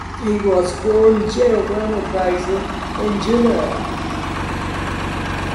He was born Gerolamo Bixio in Genoa.